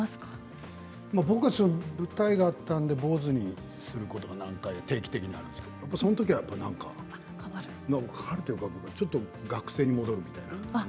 僕は舞台があったので坊主になることが定期的にあるんですけれどそのときはなんか学生に戻るみたいな。